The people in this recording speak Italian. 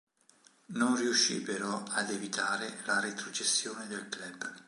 Non riuscì però ad evitare la retrocessione del club.